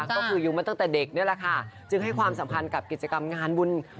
ก็คืออยู่มาตั้งแต่เด็กนี่แหละค่ะจึงให้ความสำคัญกับกิจกรรมงานบุญ